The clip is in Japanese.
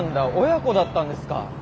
親子だったんですか。